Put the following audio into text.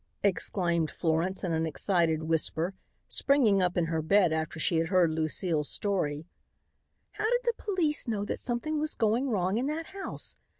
exclaimed Florence in an excited whisper, springing up in her bed after she had heard Lucile's story. "How did the police know that something was going wrong in that house?